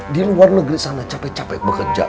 di luar negeri sana capek capek bekerja